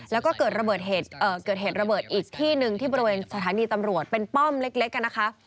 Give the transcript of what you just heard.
แล้วก็เกิดเหตุระเบิดอีกที่หนึ่งที่บริเวณสถานีตำรวจเป็นป้อมเล็กนะคะ